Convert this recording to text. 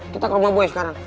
kita ke rumah boy sekarang